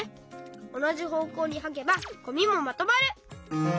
おなじほうこうにはけばゴミもまとまる！